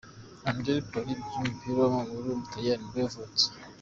Andrea Pirlo, umukinnyi w’umupira w’amaguru w’umutaliyani nibwo yavutse.